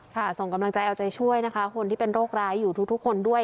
ส่งกำลังใจเอาใจช่วยนะคะคนที่เป็นโรคร้ายอยู่ทุกคนด้วย